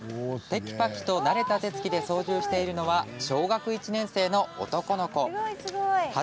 てきぱきと慣れた手つきで運転をしてるのは小学１年生の男の子です。